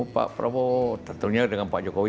pak prabowo tentunya dengan pak jokowi